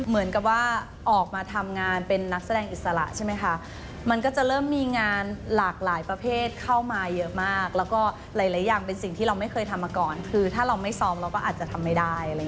เหมือนกับว่าออกมาทำงานเป็นนักแสดงอิสระใช่ไหมคะมันก็จะเริ่มมีงานหลากหลายประเภทเข้ามาเยอะมากแล้วก็หลายอย่างเป็นสิ่งที่เราไม่เคยทำมาก่อนคือถ้าเราไม่ซ้อมเราก็อาจจะทำไม่ได้